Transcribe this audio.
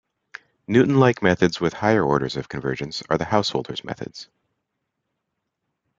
Newton-like methods with higher orders of convergence are the Householder's methods.